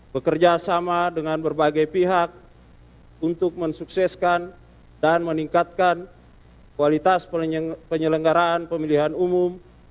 bekerja sama dengan berbagai pihak untuk mensukseskan dan meningkatkan kualitas penyelenggaraan pemilihan umum